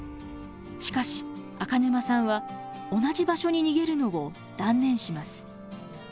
しかし赤沼さんは同じ場所に逃げるのを断念します。